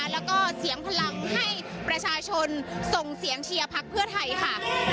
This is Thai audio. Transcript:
แล้วก็เสียงพลังให้ประชาชนส่งเสียงเชียร์พักเพื่อไทยค่ะ